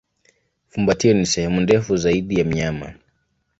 Fumbatio ni sehemu ndefu zaidi ya mnyama.